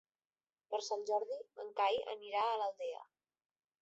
Per Sant Jordi en Cai anirà a l'Aldea.